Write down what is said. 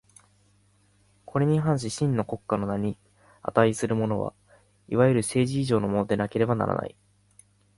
これに反し真の国家の名に価するものは、いわゆる政治以上のものでなければならない。